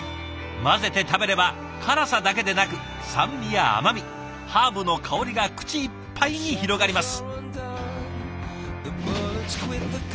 混ぜて食べれば辛さだけでなく酸味や甘みハーブの香りが口いっぱいに広がります。